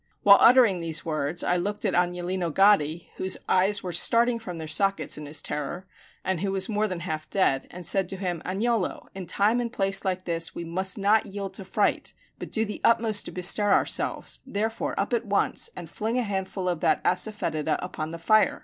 While uttering these words I looked at Agnolino Gaddi, whose eyes were starting from their sockets in his terror, and who was more than half dead, and said to him, "Agnolo, in time and place like this we must not yield to fright, but do the utmost to bestir ourselves; therefore up at once, and fling a handful of that asafetida upon the fire."...